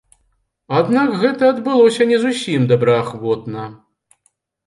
Аднак гэта адбылося не зусім добраахвотна.